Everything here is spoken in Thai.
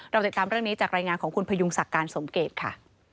ติดตามเรื่องนี้จากรายงานของคุณพยุงศักดิ์การสมเกตค่ะ